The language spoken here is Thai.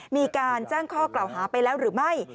มีการแจ้งข้อกล่าวหาไปแล้วหรือไม่